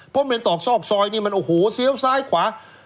เพราะเมนตอกซอกซอยนี่มันโอ้โหเซี้ยวซ้ายขวา